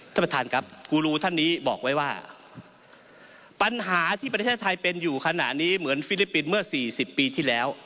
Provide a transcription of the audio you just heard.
ท่านประธานครับกูรูท่านนี้บอกไว้ว่าปัญหาที่ประเทศไทยเป็นอยู่ขณะนี้เหมือนฟิลิปปินส์เมื่อ๔๐ปีที่แล้ว